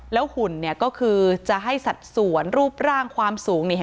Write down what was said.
หุ่นเนี่ยก็คือจะให้สัดส่วนรูปร่างความสูง